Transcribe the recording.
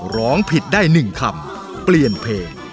ร้องผิดได้๑คำเปลี่ยนเพลง